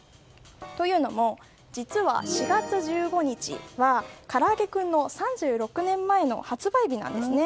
というのも実は、４月１５日はからあげクンの３６年前の発売日なんですね。